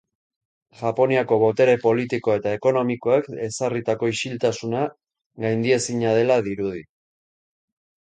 Japoniako botere politiko eta ekonomikoek ezarritako isiltasuna gaindiezina dela dirudi.